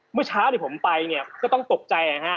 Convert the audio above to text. เมื่อเช้าเดี๋ยวผมไปก็ต้องตกใจ